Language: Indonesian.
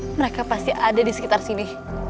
mereka pasti ada di sekitar sini